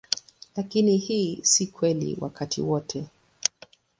Lakini hii si kweli wakati wote.